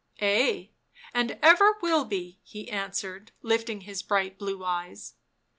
" Ay, and ever will be," he answered, lifting his bright blue eyes.